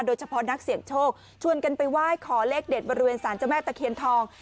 โดยเฉพาะนักเสี่ยงโชคชวนกันไปไหว้ขอเลขเด็ดบริเวณสารเจ้าแม่ตะเคียนทอง